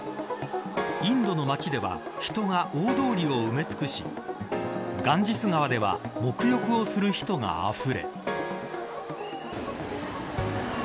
インドの街では人が大通りを埋め尽くしガンジス川では沐浴をする人があふれ。